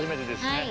はい。